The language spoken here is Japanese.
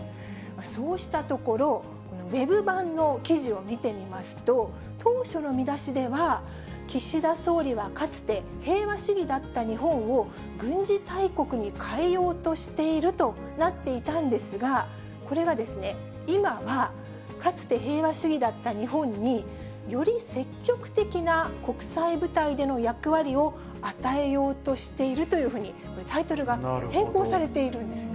そうしたところ、ウェブ版の記事を見てみますと、当初の見出しでは、岸田総理はかつて平和主義だった日本を軍事大国にかえようとしているとなっていたんですが、これが、今はかつて平和主義だった日本に、より積極的な国際舞台での役割を与えようとしているというふうに、これ、タイトルが変更されてるんですね。